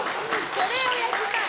それを焼きたい。